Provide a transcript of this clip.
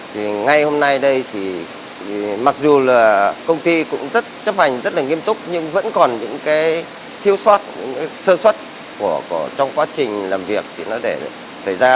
thì ngay hôm nay đây thì mặc dù là công ty cũng rất chấp hành rất là nghiêm túc nhưng vẫn còn những cái thiếu sót những cái sơ xuất trong quá trình làm việc thì nó để xảy ra